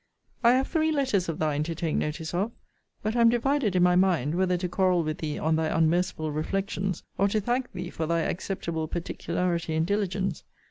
I have three letters of thine to take notice of:* but am divided in my mind, whether to quarrel with thee on thy unmerciful reflections, or to thank thee for thy acceptable particularity and diligence.